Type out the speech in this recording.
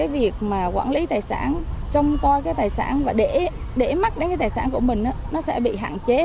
việc mà quản lý tài sản trông coi cái tài sản và để mắc đến cái tài sản của mình nó sẽ bị hạn chế